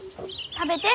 食べて。